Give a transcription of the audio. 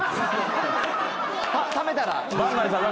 ためたら？